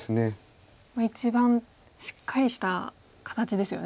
一番しっかりした形ですよね。